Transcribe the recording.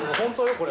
これ。